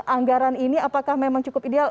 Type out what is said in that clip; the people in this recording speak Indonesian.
anggaran ini apakah memang cukup ideal